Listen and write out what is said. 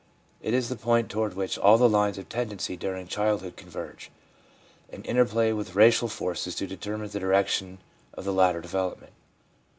It is the point toward which all the lines of tendency during childhood converge, and interplay with racial forces to determine the direction of the later development.